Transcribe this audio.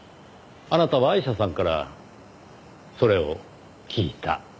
あなたはアイシャさんからそれを聞いた。